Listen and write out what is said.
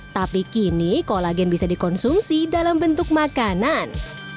tapi kini kolagen bisa dikonsumsi dalam bentuk makanan